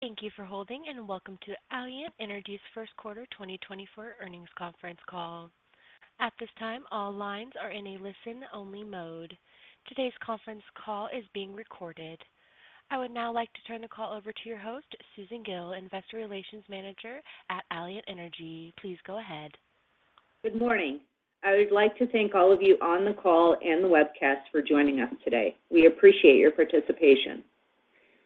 Thank you for holding and welcome to Alliant Energy's first quarter 2024 earnings conference call. At this time, all lines are in a listen-only mode. Today's conference call is being recorded. I would now like to turn the call over to your host, Susan Gille, Investor Relations Manager at Alliant Energy. Please go ahead. Good morning. I would like to thank all of you on the call and the webcast for joining us today. We appreciate your participation.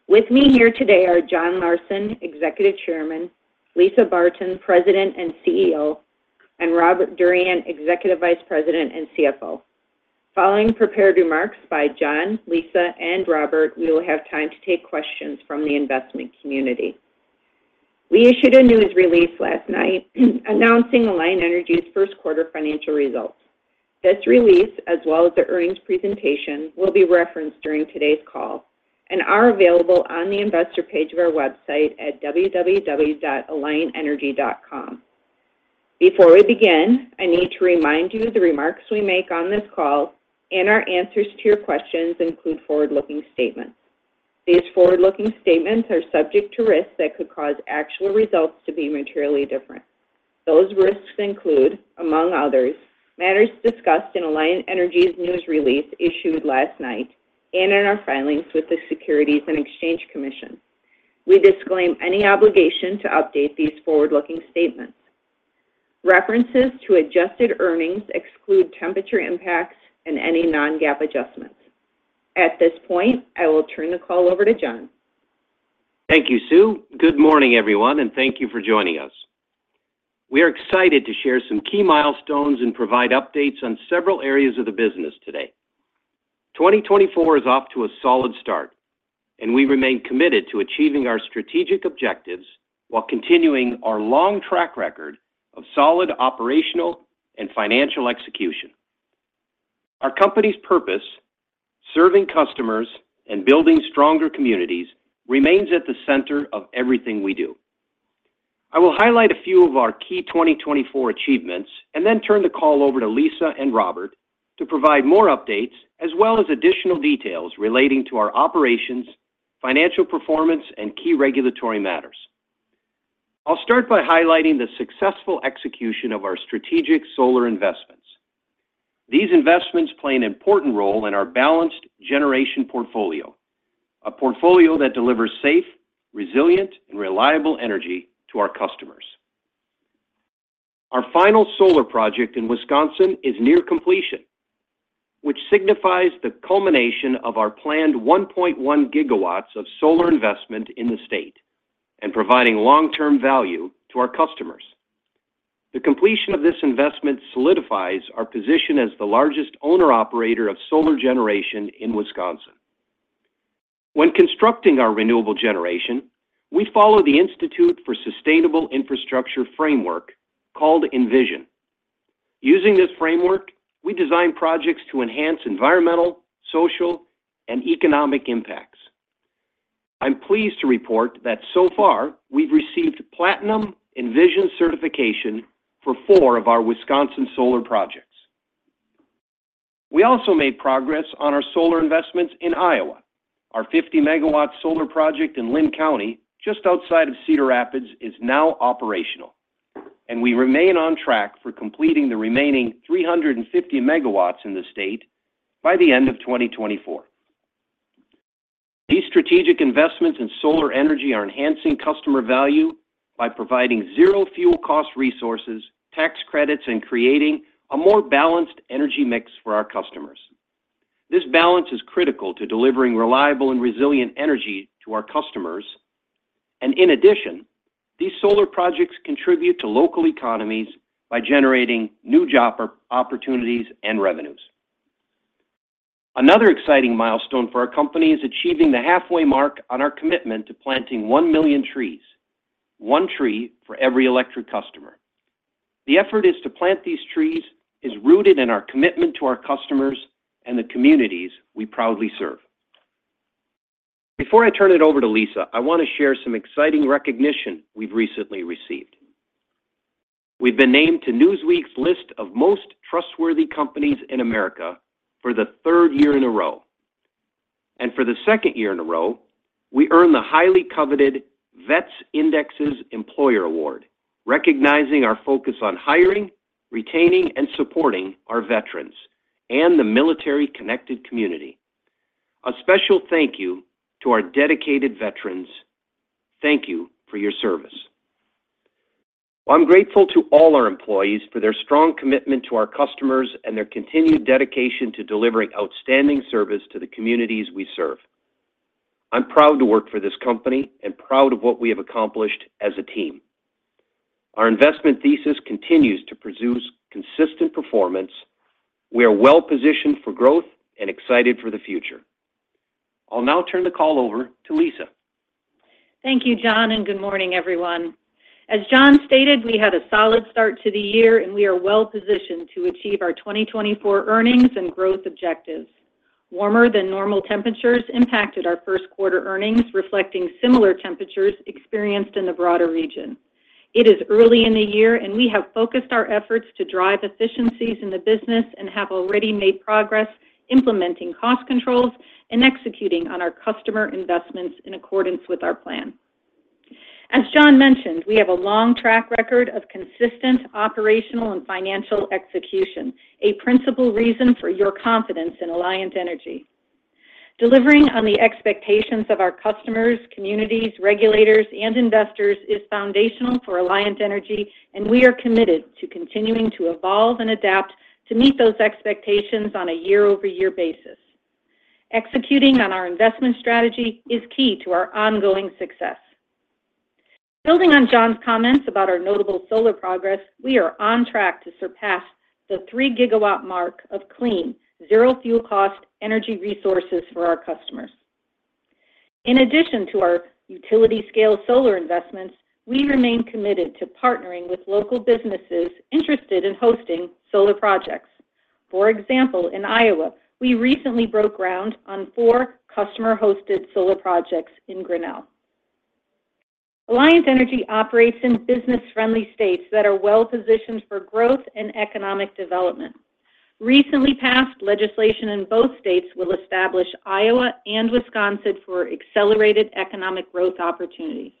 With me here today are John Larsen, Executive Chairman; Lisa Barton, President and CEO; and Robert Durian, Executive Vice President and CFO. Following prepared remarks by John, Lisa, and Robert, we will have time to take questions from the investment community. We issued a news release last night announcing Alliant Energy's first quarter financial results. This release, as well as the earnings presentation, will be referenced during today's call and are available on the investor page of our website at www.alliantenergy.com. Before we begin, I need to remind you the remarks we make on this call and our answers to your questions include forward-looking statements. These forward-looking statements are subject to risks that could cause actual results to be materially different. Those risks include, among others, matters discussed in Alliant Energy's news release issued last night and in our filings with the Securities and Exchange Commission. We disclaim any obligation to update these forward-looking statements. References to adjusted earnings exclude temperature impacts and any non-GAAP adjustments. At this point, I will turn the call over to John. Thank you, Sue. Good morning, everyone, and thank you for joining us. We are excited to share some key milestones and provide updates on several areas of the business today. 2024 is off to a solid start, and we remain committed to achieving our strategic objectives while continuing our long track record of solid operational and financial execution. Our company's purpose, serving customers and building stronger communities, remains at the center of everything we do. I will highlight a few of our key 2024 achievements and then turn the call over to Lisa and Robert to provide more updates as well as additional details relating to our operations, financial performance, and key regulatory matters. I'll start by highlighting the successful execution of our strategic solar investments. These investments play an important role in our balanced generation portfolio, a portfolio that delivers safe, resilient, and reliable energy to our customers. Our final solar project in Wisconsin is near completion, which signifies the culmination of our planned 1.1 GW of solar investment in the state and providing long-term value to our customers. The completion of this investment solidifies our position as the largest owner-operator of solar generation in Wisconsin. When constructing our renewable generation, we follow the Institute for Sustainable Infrastructure framework called Envision. Using this framework, we design projects to enhance environmental, social, and economic impacts. I'm pleased to report that so far we've received Platinum Envision certification for four of our Wisconsin solar projects. We also made progress on our solar investments in Iowa. Our 50 MW solar project in Linn County, just outside of Cedar Rapids, is now operational, and we remain on track for completing the remaining 350 MW in the state by the end of 2024. These strategic investments in solar energy are enhancing customer value by providing zero-fuel-cost resources, tax credits, and creating a more balanced energy mix for our customers. This balance is critical to delivering reliable and resilient energy to our customers, and in addition, these solar projects contribute to local economies by generating new job opportunities and revenues. Another exciting milestone for our company is achieving the halfway mark on our commitment to planting 1 million trees, one tree for every electric customer. The effort to plant these trees is rooted in our commitment to our customers and the communities we proudly serve. Before I turn it over to Lisa, I want to share some exciting recognition we've recently received. We've been named to Newsweek's list of Most Trustworthy Companies in America for the third year in a row. For the second year in a row, we earned the highly coveted Vets Indexes Employer Award, recognizing our focus on hiring, retaining, and supporting our veterans and the military-connected community. A special thank you to our dedicated veterans. Thank you for your service. I'm grateful to all our employees for their strong commitment to our customers and their continued dedication to delivering outstanding service to the communities we serve. I'm proud to work for this company and proud of what we have accomplished as a team. Our investment thesis continues to produce consistent performance. We are well positioned for growth and excited for the future. I'll now turn the call over to Lisa. Thank you, John, and good morning, everyone. As John stated, we had a solid start to the year, and we are well positioned to achieve our 2024 earnings and growth objectives. Warmer-than-normal temperatures impacted our first quarter earnings, reflecting similar temperatures experienced in the broader region. It is early in the year, and we have focused our efforts to drive efficiencies in the business and have already made progress implementing cost controls and executing on our customer investments in accordance with our plan. As John mentioned, we have a long track record of consistent operational and financial execution, a principal reason for your confidence in Alliant Energy. Delivering on the expectations of our customers, communities, regulators, and investors is foundational for Alliant Energy, and we are committed to continuing to evolve and adapt to meet those expectations on a year-over-year basis. Executing on our investment strategy is key to our ongoing success. Building on John's comments about our notable solar progress, we are on track to surpass the 3 GW mark of clean, zero-fuel-cost energy resources for our customers. In addition to our utility-scale solar investments, we remain committed to partnering with local businesses interested in hosting solar projects. For example, in Iowa, we recently broke ground on four customer-hosted solar projects in Grinnell. Alliant Energy operates in business-friendly states that are well positioned for growth and economic development. Recently passed legislation in both states will establish Iowa and Wisconsin for accelerated economic growth opportunities.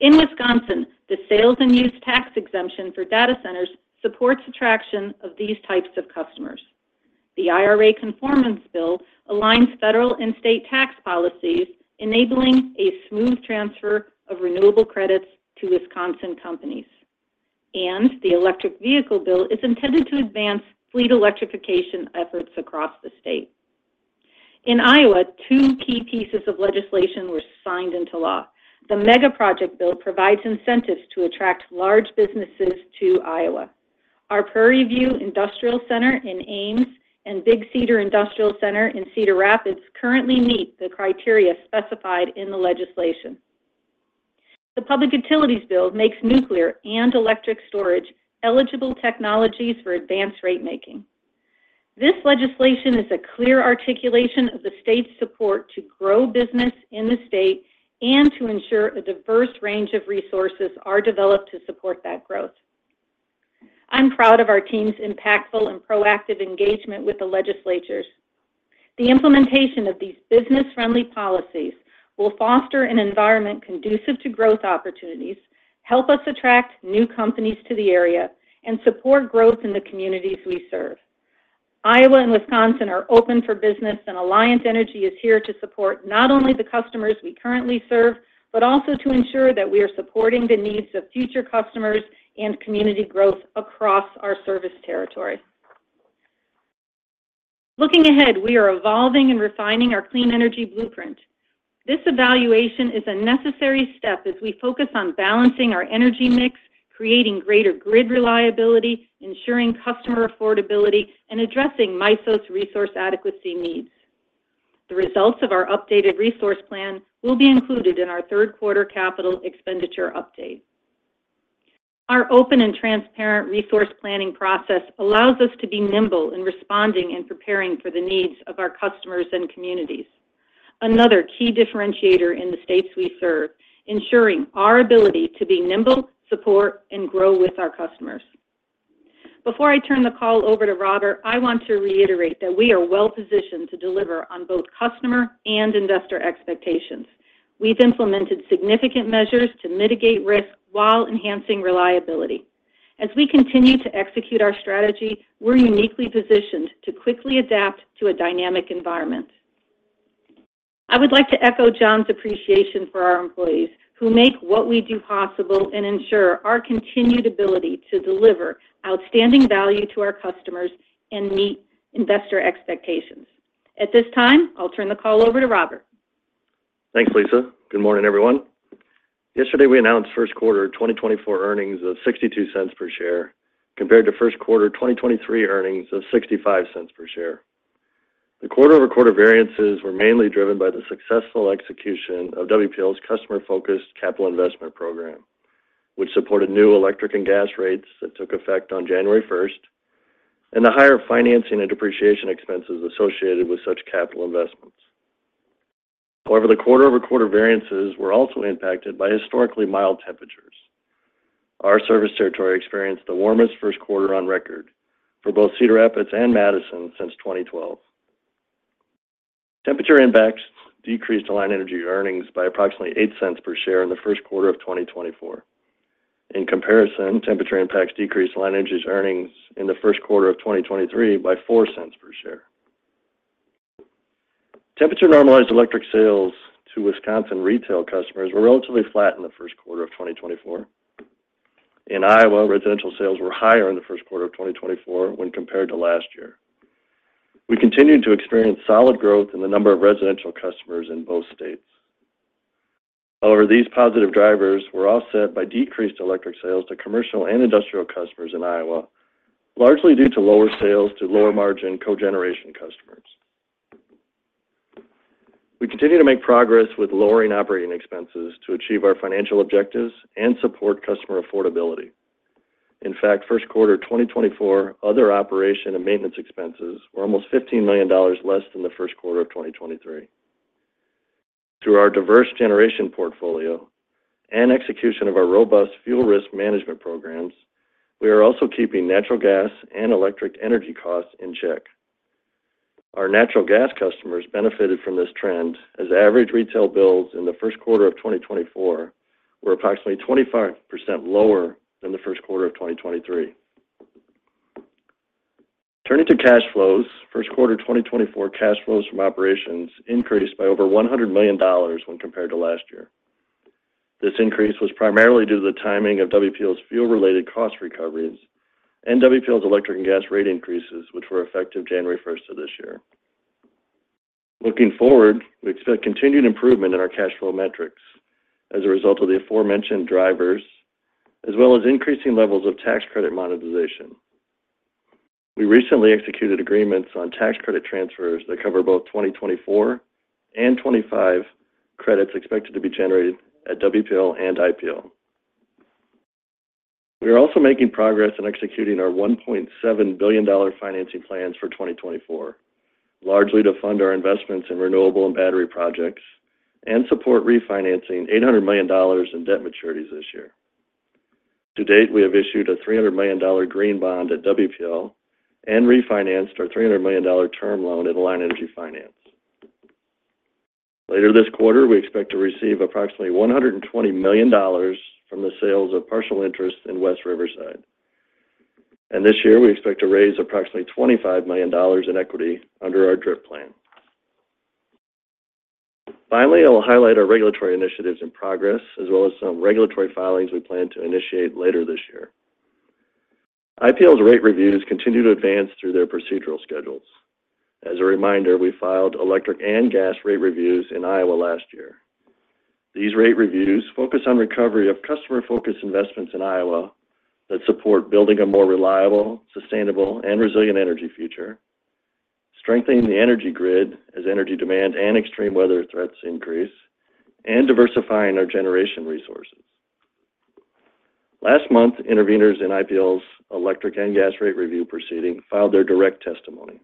In Wisconsin, the sales and use tax exemption for data centers supports attraction of these types of customers. The IRA conformance bill aligns federal and state tax policies, enabling a smooth transfer of renewable credits to Wisconsin companies. The electric vehicle bill is intended to advance fleet electrification efforts across the state. In Iowa, two key pieces of legislation were signed into law. The MEGA project bill provides incentives to attract large businesses to Iowa. Our Prairie View Industrial Center in Ames and Big Cedar Industrial Center in Cedar Rapids currently meet the criteria specified in the legislation. The public utilities bill makes nuclear and energy storage eligible technologies for advance ratemaking. This legislation is a clear articulation of the state's support to grow business in the state and to ensure a diverse range of resources are developed to support that growth. I'm proud of our team's impactful and proactive engagement with the legislatures. The implementation of these business-friendly policies will foster an environment conducive to growth opportunities, help us attract new companies to the area, and support growth in the communities we serve. Iowa and Wisconsin are open for business, and Alliant Energy is here to support not only the customers we currently serve but also to ensure that we are supporting the needs of future customers and community growth across our service territory. Looking ahead, we are evolving and refining our Clean Energy Blueprint. This evaluation is a necessary step as we focus on balancing our energy mix, creating greater grid reliability, ensuring customer affordability, and addressing MISO's resource adequacy needs. The results of our updated resource plan will be included in our third quarter capital expenditure update. Our open and transparent resource planning process allows us to be nimble in responding and preparing for the needs of our customers and communities, another key differentiator in the states we serve, ensuring our ability to be nimble, support, and grow with our customers. Before I turn the call over to Robert, I want to reiterate that we are well positioned to deliver on both customer and investor expectations. We've implemented significant measures to mitigate risk while enhancing reliability. As we continue to execute our strategy, we're uniquely positioned to quickly adapt to a dynamic environment. I would like to echo John's appreciation for our employees who make what we do possible and ensure our continued ability to deliver outstanding value to our customers and meet investor expectations. At this time, I'll turn the call over to Robert. Thanks, Lisa. Good morning, everyone. Yesterday, we announced first quarter 2024 earnings of $0.62 per share compared to first quarter 2023 earnings of $0.65 per share. The quarter-over-quarter variances were mainly driven by the successful execution of WPL's customer-focused capital investment program, which supported new electric and gas rates that took effect on January 1st and the higher financing and depreciation expenses associated with such capital investments. However, the quarter-over-quarter variances were also impacted by historically mild temperatures. Our service territory experienced the warmest first quarter on record for both Cedar Rapids and Madison since 2012. Temperature impacts decreased Alliant Energy earnings by approximately $0.08 per share in the first quarter of 2024. In comparison, temperature impacts decreased Alliant Energy's earnings in the first quarter of 2023 by $0.04 per share. Temperature normalized electric sales to Wisconsin retail customers were relatively flat in the first quarter of 2024. In Iowa, residential sales were higher in the first quarter of 2024 when compared to last year. We continued to experience solid growth in the number of residential customers in both states. However, these positive drivers were offset by decreased electric sales to commercial and industrial customers in Iowa, largely due to lower sales to lower-margin cogeneration customers. We continue to make progress with lowering operating expenses to achieve our financial objectives and support customer affordability. In fact, first quarter 2024, other operation and maintenance expenses were almost $15 million less than the first quarter of 2023. Through our diverse generation portfolio and execution of our robust fuel risk management programs, we are also keeping natural gas and electric energy costs in check. Our natural gas customers benefited from this trend as average retail bills in the first quarter of 2024 were approximately 25% lower than the first quarter of 2023. Turning to cash flows, first quarter 2024 cash flows from operations increased by over $100 million when compared to last year. This increase was primarily due to the timing of Wisconsin Power and Light Company's fuel-related cost recoveries and Wisconsin Power and Light Company's electric and gas rate increases, which were effective January 1st of this year. Looking forward, we expect continued improvement in our cash flow metrics as a result of the aforementioned drivers as well as increasing levels of tax credit monetization. We recently executed agreements on tax credit transfers that cover both 2024 and 2025 credits expected to be generated at WPL and IPL. We are also making progress in executing our $1.7 billion financing plans for 2024, largely to fund our investments in renewable and battery projects and support refinancing $800 million in debt maturities this year. To date, we have issued a $300 million green bond at WPL and refinanced our $300 million term loan at Alliant Energy Finance. Later this quarter, we expect to receive approximately $120 million from the sales of partial interest in West Riverside. And this year, we expect to raise approximately $25 million in equity under our DRIP plan. Finally, I'll highlight our regulatory initiatives in progress as well as some regulatory filings we plan to initiate later this year. IPL's rate reviews continue to advance through their procedural schedules. As a reminder, we filed electric and gas rate reviews in Iowa last year. These rate reviews focus on recovery of customer-focused investments in Iowa that support building a more reliable, sustainable, and resilient energy future, strengthening the energy grid as energy demand and extreme weather threats increase, and diversifying our generation resources. Last month, intervenors in IPL's electric and gas rate review proceeding filed their direct testimony.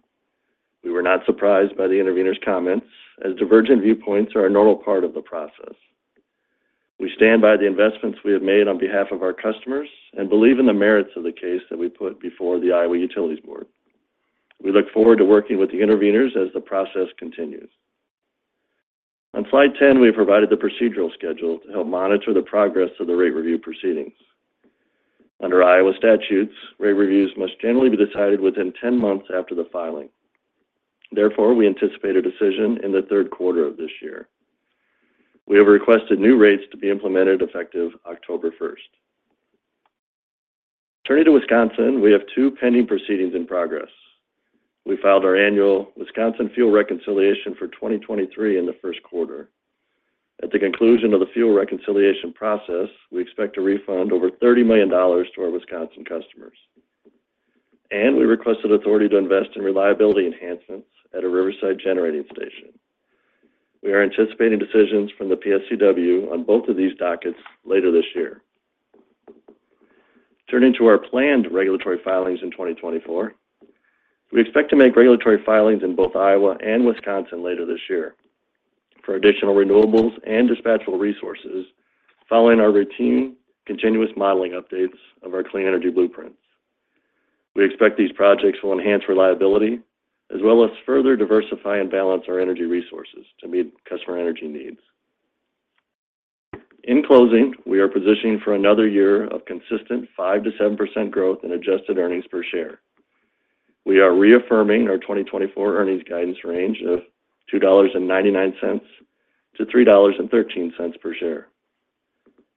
We were not surprised by the intervenor's comments, as divergent viewpoints are a normal part of the process. We stand by the investments we have made on behalf of our customers and believe in the merits of the case that we put before the Iowa Utilities Board. We look forward to working with the intervenors as the process continues. On slide 10, we have provided the procedural schedule to help monitor the progress of the rate review proceedings. Under Iowa statutes, rate reviews must generally be decided within 10 months after the filing. Therefore, we anticipate a decision in the third quarter of this year. We have requested new rates to be implemented effective October 1st. Turning to Wisconsin, we have two pending proceedings in progress. We filed our annual Wisconsin Fuel Reconciliation for 2023 in the first quarter. At the conclusion of the fuel reconciliation process, we expect to refund over $30 million to our Wisconsin customers. We requested authority to invest in reliability enhancements at a Riverside generating station. We are anticipating decisions from the PSCW on both of these dockets later this year. Turning to our planned regulatory filings in 2024, we expect to make regulatory filings in both Iowa and Wisconsin later this year for additional renewables and dispatchable resources following our routine continuous modeling updates of our clean energy blueprints. We expect these projects will enhance reliability as well as further diversify and balance our energy resources to meet customer energy needs. In closing, we are positioning for another year of consistent 5%-7% growth in adjusted earnings per share. We are reaffirming our 2024 earnings guidance range of $2.99-$3.13 per share.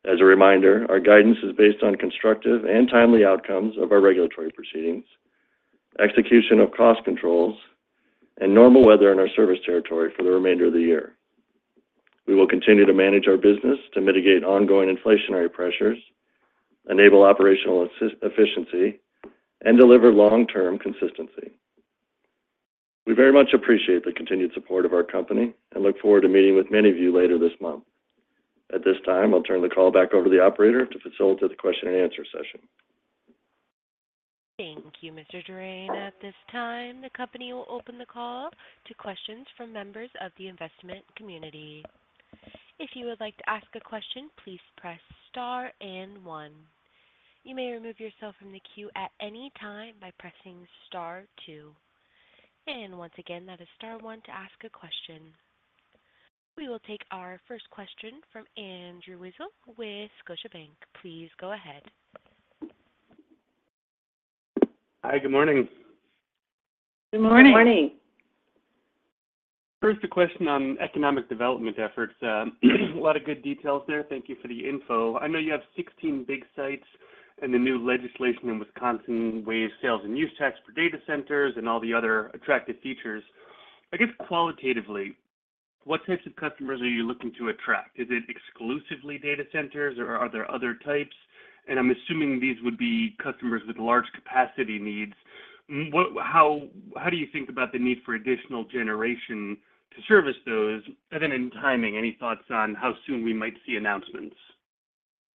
As a reminder, our guidance is based on constructive and timely outcomes of our regulatory proceedings, execution of cost controls, and normal weather in our service territory for the remainder of the year. We will continue to manage our business to mitigate ongoing inflationary pressures, enable operational efficiency, and deliver long-term consistency. We very much appreciate the continued support of our company and look forward to meeting with many of you later this month. At this time, I'll turn the call back over to the operator to facilitate the question-and-answer session. Thank you, Mr. Durian. At this time, the company will open the call to questions from members of the investment community. If you would like to ask a question, please press star and one. You may remove yourself from the queue at any time by pressing star two. Once again, that is star one to ask a question. We will take our first question from Andrew Weisel with Scotiabank. Please go ahead. Hi. Good morning. Good morning. Good morning. First, a question on economic development efforts. A lot of good details there. Thank you for the info. I know you have 16 big sites and the new legislation in Wisconsin waives sales and use tax for data centers and all the other attractive features. I guess qualitatively, what types of customers are you looking to attract? Is it exclusively data centers, or are there other types? And I'm assuming these would be customers with large capacity needs. How do you think about the need for additional generation to service those? And then in timing, any thoughts on how soon we might see announcements?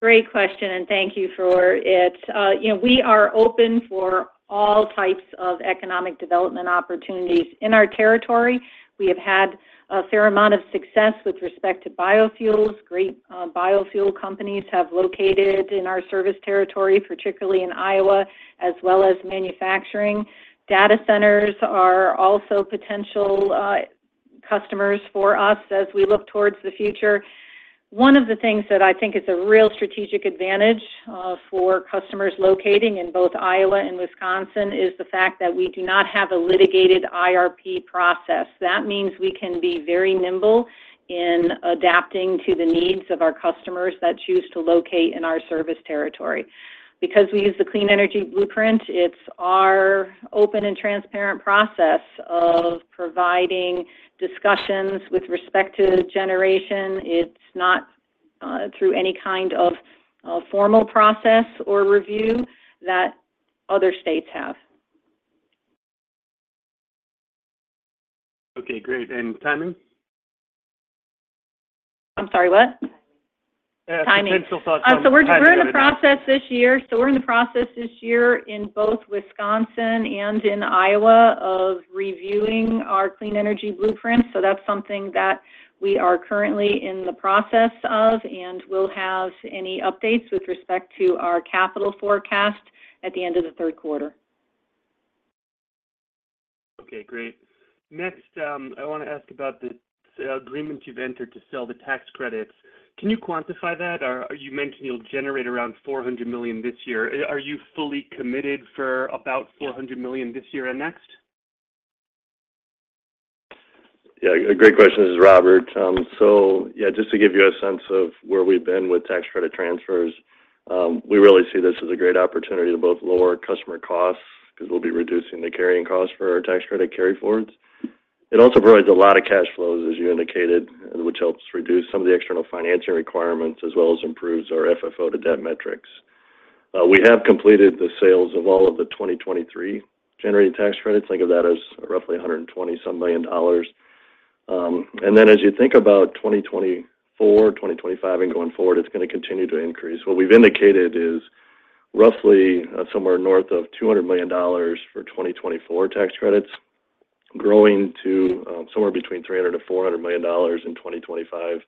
Great question, and thank you for it. We are open for all types of economic development opportunities in our territory. We have had a fair amount of success with respect to biofuels. Great biofuel companies have located in our service territory, particularly in Iowa, as well as manufacturing. Data centers are also potential customers for us as we look towards the future. One of the things that I think is a real strategic advantage for customers locating in both Iowa and Wisconsin is the fact that we do not have a litigated IRP process. That means we can be very nimble in adapting to the needs of our customers that choose to locate in our service territory. Because we use the Clean Energy Blueprint, it's our open and transparent process of providing discussions with respect to generation. It's not through any kind of formal process or review that other states have. Okay. Great. And timing? I'm sorry. What? Timing. Timing. Essential thoughts on the timing. We're in the process this year in both Wisconsin and in Iowa of reviewing our Clean Energy Blueprints. That's something that we are currently in the process of and will have any updates with respect to our capital forecast at the end of the third quarter. Okay. Great. Next, I want to ask about the agreement you've entered to sell the tax credits. Can you quantify that? You mentioned you'll generate around $400 million this year. Are you fully committed for about $400 million this year and next? Yeah. Great question, This is Robert. So yeah, just to give you a sense of where we've been with tax credit transfers, we really see this as a great opportunity to both lower customer costs because we'll be reducing the carrying costs for our tax credit carryforwards. It also provides a lot of cash flows, as you indicated, which helps reduce some of the external financing requirements as well as improves our FFO to debt metrics. We have completed the sales of all of the 2023 generating tax credits. Think of that as roughly $120-some million. And then as you think about 2024, 2025, and going forward, it's going to continue to increase. What we've indicated is roughly somewhere north of $200 million for 2024 tax credits, growing to somewhere between $300 million-$400 million in 2025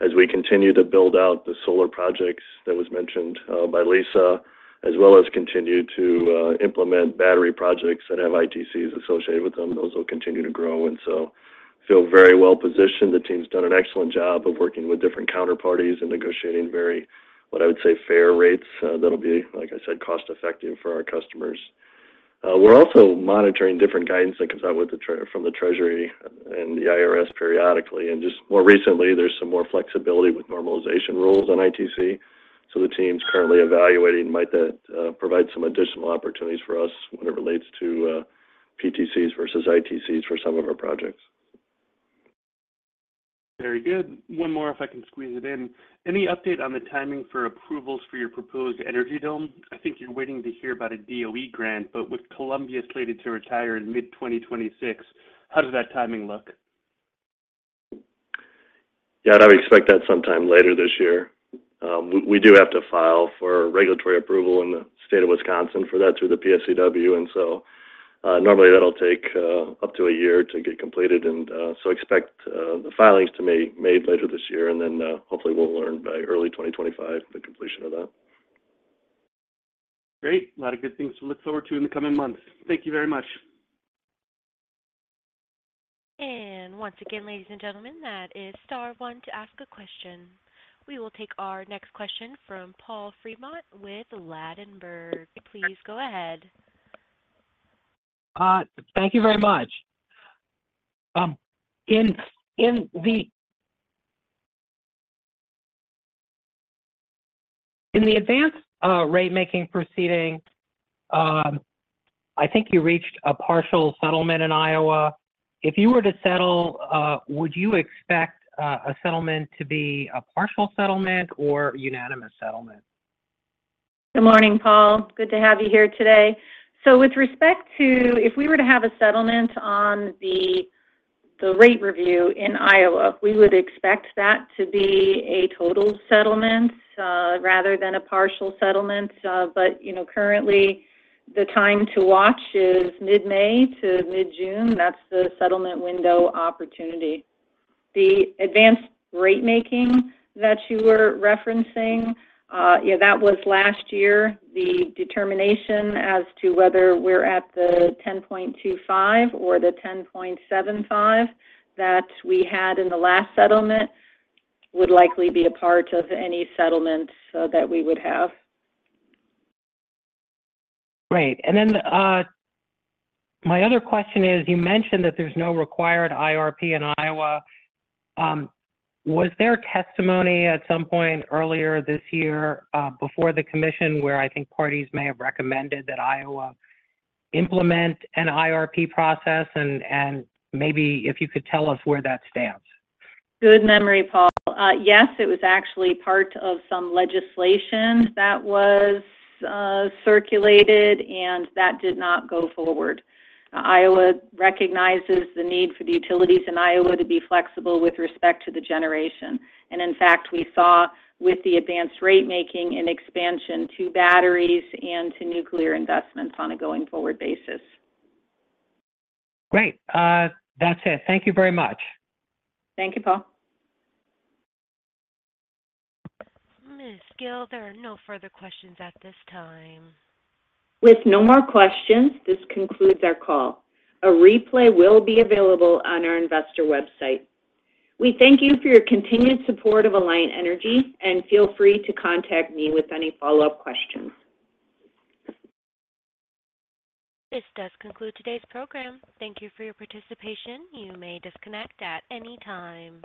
as we continue to build out the solar projects that was mentioned by Lisa, as well as continue to implement battery projects that have ITCs associated with them. Those will continue to grow. And so feel very well positioned. The team's done an excellent job of working with different counterparties and negotiating very, what I would say, fair rates that'll be, like I said, cost-effective for our customers. We're also monitoring different guidance that comes out from the Treasury and the IRS periodically. And just more recently, there's some more flexibility with normalization rules on ITC. So the team's currently evaluating might that provide some additional opportunities for us when it relates to PTCs versus ITCs for some of our projects. Very good. One more, if I can squeeze it in. Any update on the timing for approvals for your proposed Energy Dome? I think you're waiting to hear about a DOE grant, but with Columbia slated to retire in mid-2026, how does that timing look? Yeah. I'd expect that sometime later this year. We do have to file for regulatory approval in the state of Wisconsin for that through the PSCW. And so normally, that'll take up to a year to get completed. And so expect the filings to be made later this year. And then hopefully, we'll learn by early 2025 the completion of that. Great. A lot of good things to look forward to in the coming months. Thank you very much. Once again, ladies and gentlemen, that is star one to ask a question. We will take our next question from Paul Fremont with Ladenburg. Please go ahead. Thank you very much. In the Advance Ratemaking proceeding, I think you reached a partial settlement in Iowa. If you were to settle, would you expect a settlement to be a partial settlement or unanimous settlement? Good morning, Paul. Good to have you here today. So with respect to if we were to have a settlement on the rate review in Iowa, we would expect that to be a total settlement rather than a partial settlement. But currently, the time to watch is mid-May to mid-June. That's the settlement window opportunity. The Advance Ratemaking that you were referencing, yeah, that was last year. The determination as to whether we're at the 10.25 or the 10.75 that we had in the last settlement would likely be a part of any settlement that we would have. Right. And then my other question is, you mentioned that there's no required IRP in Iowa. Was there testimony at some point earlier this year before the commission where I think parties may have recommended that Iowa implement an IRP process? And maybe if you could tell us where that stands? Good memory, Paul. Yes, it was actually part of some legislation that was circulated, and that did not go forward. Iowa recognizes the need for the utilities in Iowa to be flexible with respect to the generation. And in fact, we saw with the Advance Ratemaking an expansion to batteries and to nuclear investments on a going forward basis. Great. That's it. Thank you very much. Thank you, Paul. Ms. Gille, there are no further questions at this time. With no more questions, this concludes our call. A replay will be available on our investor website. We thank you for your continued support of Alliant Energy, and feel free to contact me with any follow-up questions. This does conclude today's program. Thank you for your participation. You may disconnect at any time.